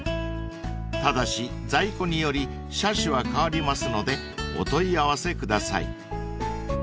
［ただし在庫により車種は変わりますのでお問い合わせください］